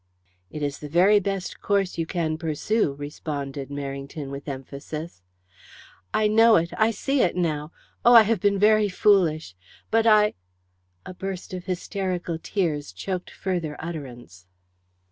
"It is the very best course you can pursue," responded Merrington with emphasis. "I know it I see it now! Oh, I have been very foolish. But I " A burst of hysterical tears choked further utterance.